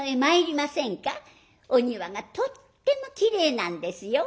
お庭がとってもきれいなんですよ」。